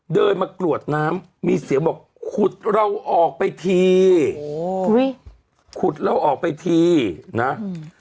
เดินมากรวดน้ำมีเสียงบอกขุดเราออกไปทีโอ้โหอุ้ยขุดเราออกไปทีนะอืม